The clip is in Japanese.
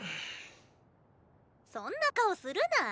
そんな顔するな。